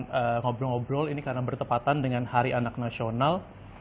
nanti kita akan ngobrol ngobrol ini karena bertepatan dengan hari anak nasional